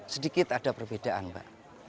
sedikit ada perbedaan mbak